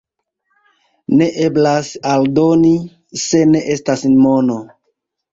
Ne eblas aldoni, se ne estas mono.